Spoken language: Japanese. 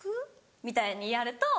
みたいにやるといい。